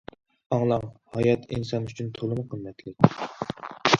ئاڭلاڭ، ھايات ئىنسان ئۈچۈن تولىمۇ قىممەتلىك.